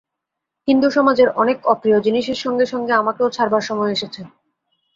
হিন্দুসমাজের অনেক অপ্রিয় জিনিসের সঙ্গে সঙ্গে আমাকেও ছাড়বার সময় এসেছে।